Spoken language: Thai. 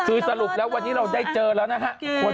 คือสรุปแล้ววันนี้เราได้เจอแล้วนะฮะ